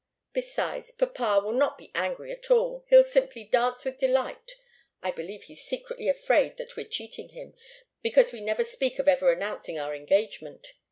Besides, papa will not be angry at all. He'll simply dance with delight. I believe he's secretly afraid that we're cheating him, because we never speak of ever announcing our engagement.